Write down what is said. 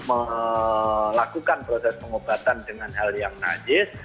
melakukan proses pengobatan dengan hal yang najis